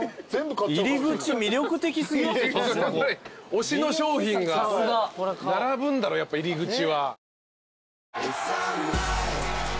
押しの商品が並ぶんだろやっぱ入り口は。